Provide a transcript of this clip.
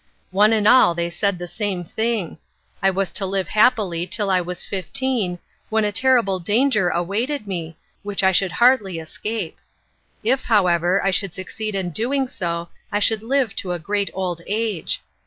One and all they said the same thing. I was to live happily till I was fifteen, when a terrible danger awaited me, which I should hardly escape. If, however, I should succeed in doing so, I should live to a great old age.